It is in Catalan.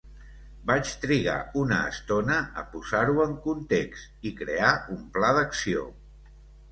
Vaig trigar una estona a posar-ho en context i crear un pla d'acció.